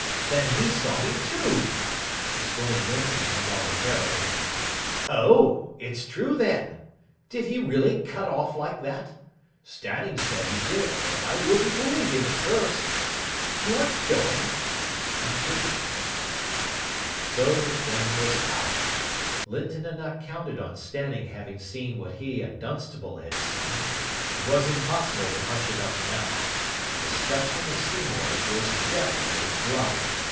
"Then he saw him, too!" exclaimed Linton, involuntarily. "Oh, it's true, then? Did he really cut off like that? Stanning said he did, but I wouldn't believe him at first. You aren't going? Good night." So the thing was out. Linton had not counted on Stanning having seen what he and Dunstable had seen. It was impossible to hush it up now. The scutcheon of Seymour's was definitely blotted.